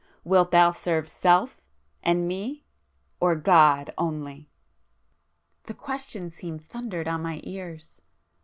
Wilt thou serve Self and Me? or God only?" The question seemed thundered on my ears